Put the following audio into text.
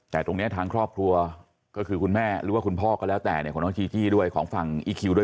แต่ตรงนี้ทางครอบครัวก็คือคุณแม่หรือว่าคุณพ่อก็แล้วแต่เนี่ยของน้องจีจี้ด้วยของฝั่งอีคิวด้วย